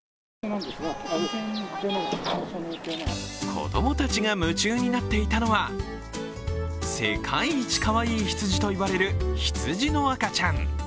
子供たちが夢中になっていたのは世界一かわいいヒツジといわれるヒツジの赤ちゃん。